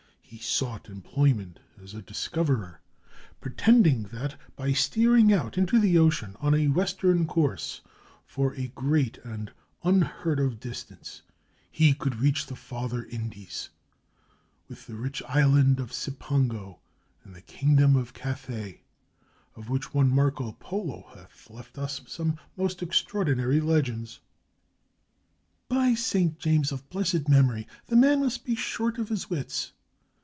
He sought employ ment as a discoverer, pretending that, by steering out into the ocean on a western course for a great and un heard of distance, he could reach the Farther Indies, with the rich island of Cipango, and the kingdom of Cathay, of which one Marco Polo hath left us some most extraor dinary legends!" "By St. James of blessed memory! the man must be short of his wits!